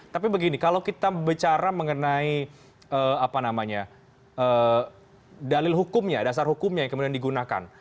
tapi begini kalau kita bicara mengenai dalil hukumnya dasar hukumnya yang kemudian digunakan